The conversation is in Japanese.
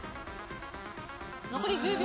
残り１０秒。